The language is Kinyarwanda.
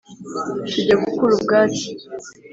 tujya gukura ubwatsi